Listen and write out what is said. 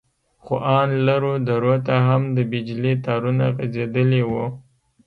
خو ان لرو درو ته هم د بجلي تارونه غځېدلي وو.